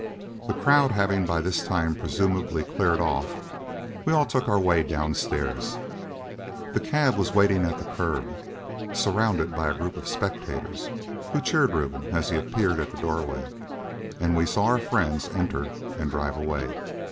The crowd having by this time presumably cleared off, we all took our way downstairs. The cab was waiting at the kerb, surrounded by a group of spectators, who cheered Reuben as he appeared at the doorway, and we saw our friends enter and drive away.